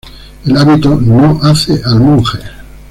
El hábito no hace al monje